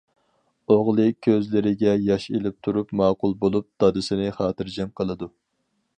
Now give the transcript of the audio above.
ئوغلى كۆزلىرىگە ياش ئېلىپ تۇرۇپ ماقۇل بولۇپ، دادىسىنى خاتىرجەم قىلىدۇ.